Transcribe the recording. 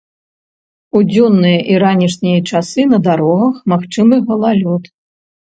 У дзённыя і ранішнія часы на дарогах магчымы галалёд.